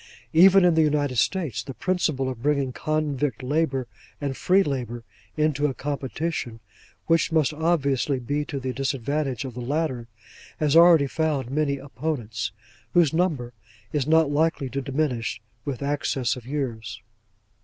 Even in the United States, the principle of bringing convict labour and free labour into a competition which must obviously be to the disadvantage of the latter, has already found many opponents, whose number is not likely to diminish with access of years.